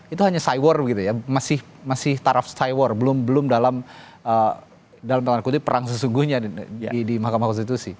itu hanya cy war gitu ya masih taraf cy war belum dalam tanda kutip perang sesungguhnya di mahkamah konstitusi